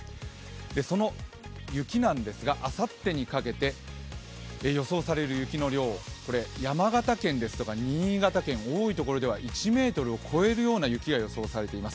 その雪なんですが、あさってにかけて予想される雪の量、山形県ですとか新潟県、多い所では１ｍを超えるような雪が予想されています。